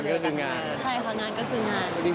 ใช่ค่ะงานก็คืองาน